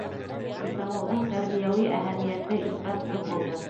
Комсомолдың тәрбиәүи әһәмиәте ифрат ҙур булды.